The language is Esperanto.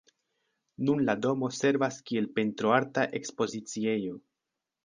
Nun la domo servas kiel pentro-arta ekspoziciejo.